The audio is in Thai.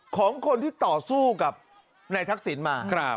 ของคนที่ต่อสู้กับในทักศิลป์มา